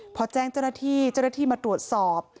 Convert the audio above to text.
พอแจ้งเจ้าหน้าที่เจ้าหน้าที่มาตรวจสอบ